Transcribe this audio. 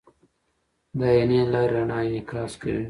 د آیینې له لارې رڼا انعکاس کوي.